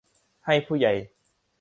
ให้ผู้ใหญ่